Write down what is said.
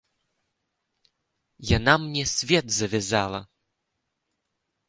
Яна мне свет завязала.